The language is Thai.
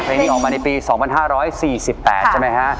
เพลงนี้ออกมาในปี๒๕๔๘ใช่ไหมฮะ